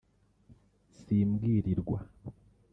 simbwirirwa